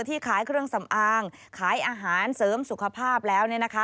ที่ขายเครื่องสำอางขายอาหารเสริมสุขภาพแล้ว